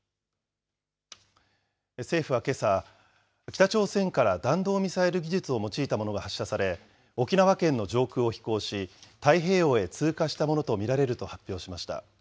政府はけさ、北朝鮮から弾道ミサイル技術を用いたものが発射され、沖縄県の上空を飛行し、太平洋へ通過したものと見られると発表しました。